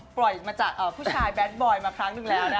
ปล่อยมาจากผู้ชายแดดบอยมาครั้งหนึ่งแล้วนะ